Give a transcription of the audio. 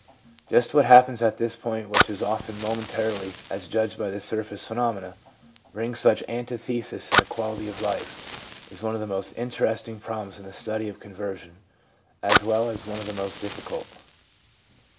Just what happens at this point which often momentarily, as judged by the surface phenomena, brings such antitheses in the quality of life, is one of the most interesting problems in the study of conversion as well as one of the most difficult.